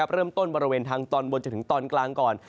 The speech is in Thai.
บริเวณทางตอนบนจนถึงตอนกลางก่อน